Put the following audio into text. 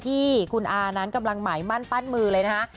ที่คุณอานั้นกำลังหมายมั่นปั้นมือเลยนะคะ